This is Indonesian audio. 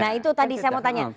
nah itu tadi saya mau tanya